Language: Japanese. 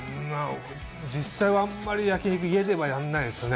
実際はあんまり焼肉家ではやんないですね